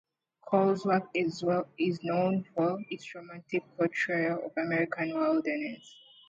Cole's work is known for its romantic portrayal of the American wilderness.